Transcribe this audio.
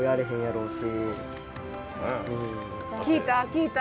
聞いた？